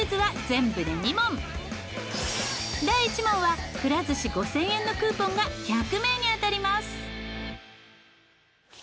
第１問はくら寿司５０００円のクーポンが１００名に当たります。